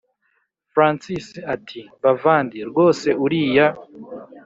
francis ati”bavandi rwose uriya